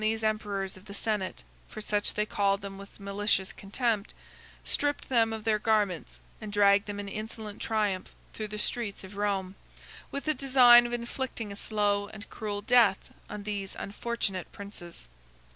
They seized on these emperors of the senate, for such they called them with malicious contempt, stripped them of their garments, and dragged them in insolent triumph through the streets of Rome, with the design of inflicting a slow and cruel death on these unfortunate princes.